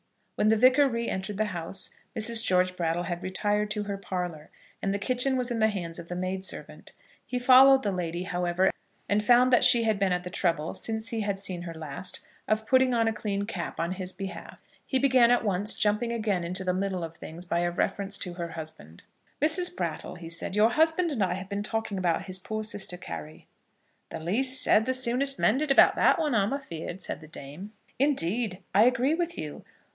When the Vicar re entered the house, Mrs. George Brattle had retired to her parlour, and the kitchen was in the hands of the maid servant. He followed the lady, however, and found that she had been at the trouble, since he had seen her last, of putting on a clean cap on his behalf. He began at once, jumping again into the middle of things by a reference to her husband. "Mrs. Brattle," he said, "your husband and I have been talking about his poor sister Carry." "The least said the soonest mended about that one, I'm afeared," said the dame. "Indeed, I agree with you.